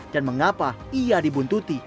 dan mengapa ia dibuntuti